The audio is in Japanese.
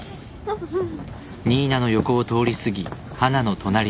うん。